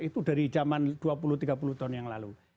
itu dari zaman dua puluh tiga puluh tahun yang lalu